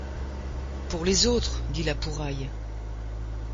Pour les autres ! dit La Pouraille.